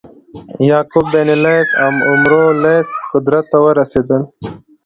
یعقوب بن لیث او عمرو لیث قدرت ته ورسېدل.